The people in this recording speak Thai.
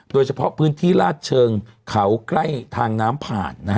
โดยเฉพาะพื้นที่ลาดเชิงเขาใกล้ทางน้ำผ่าน